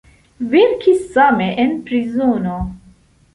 Verkis same en prizono.